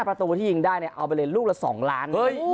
๕ประตูที่ยิงได้เอาไปเลยลูกละ๒๖ล้าน